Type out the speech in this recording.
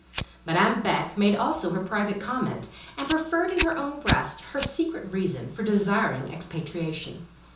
Madame Beck made also her private comment, and preferred in her own breast her secret reason for desiring expatriation.